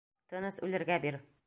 Тыныс үлергә бир!